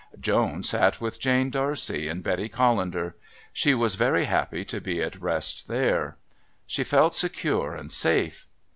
Joan sat with Jane D'Arcy and Betty Callender. She was very happy to be at rest there; she felt secure and safe.